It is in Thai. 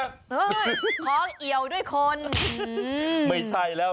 เฮ่ยพร้องเอี่ยวด้วยคน